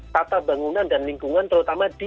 tata bangunan dan lingkungan terutama di